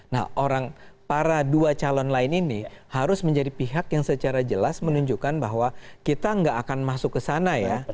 nah orang para dua calon lain ini harus menjadi pihak yang secara jelas menunjukkan bahwa kita nggak akan masuk ke sana ya